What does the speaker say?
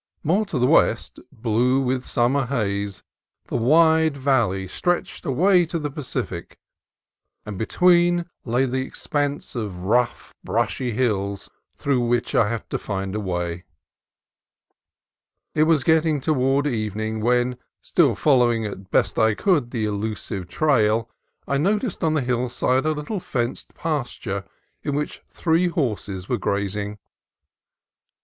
More to the west, blue with summer haze, the wide valley stretched away to the Pacific, and between lay the expanse of rough, brushy hills through which I had to find a way. It was getting toward evening when, still follow ing as best I could the elusive trail, I noticed on the hillside a little fenced pasture in which three horses were grazing.